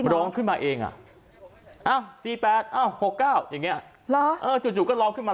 ร้องขึ้นมาเองอ่ะ๔๘๖๙อย่างนี้จู่ก็ร้องขึ้นมา